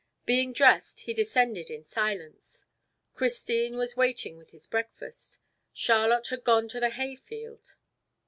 Being dressed, he descended in silence. Christine was waiting with his breakfast; Charlotte had gone to the hay field.